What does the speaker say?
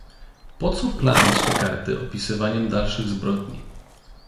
"Poco plamić te karty opisywaniem dalszych zbrodni?"